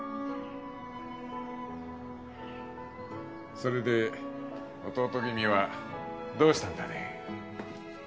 それで弟君はどうしたんだね？